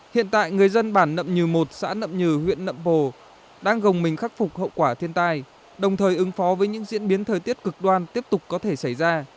hiện tại người dân bản nậm nhừ một xã nậm nhừ huyện nậm bồ đang gồng mình khắc phục hậu quả thiên tai đồng thời ứng phó với những diễn biến thời tiết cực đoan tiếp tục có thể xảy ra